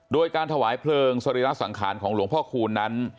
โดยการถวายเพลิงสรีระสังขารของหลวงพ่อคูณนั้น